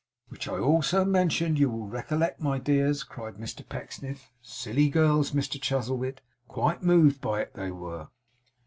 'Which I also mentioned, you will recollect, my dears,' cried Mr Pecksniff. 'Silly girls, Mr Chuzzlewit quite moved by it, they were!